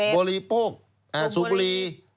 บริโภคสูบบุรี